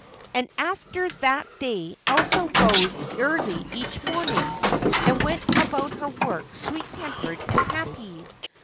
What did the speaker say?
And after that day Elsa rose early each morning, and went about her work sweet tempered and happy.